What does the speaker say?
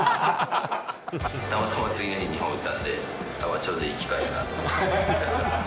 たまたま次の日、２本打ったんで、ちょうどいい機会かなと。